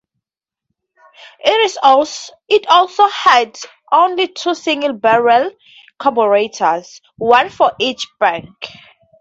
It also had only two single barrel carburetors, one for each bank.